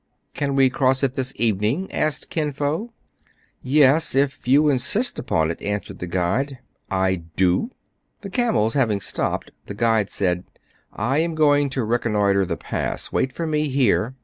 Can we cross it this evening }" asked Kin Fo. "Yes, if you insist upon it," answered the guide. "I do." The camels having stopped, the guide said, " I am going to reconnoitre the pass. Wait for me here."